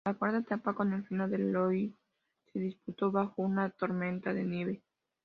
La cuarta etapa, con final en Lyon, se disputó bajo una tormenta de nieve.